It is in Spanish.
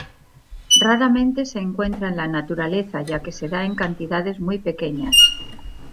Raramente se encuentra en la naturaleza, ya que se da en cantidades muy pequeñas.